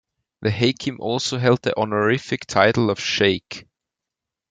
The Hakim also held the honorific title of sheikh.